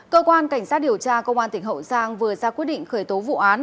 cơ quan cảnh sát điều tra công an tỉnh hậu giang vừa ra quyết định khởi tố vụ án